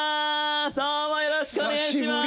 よろしくお願いします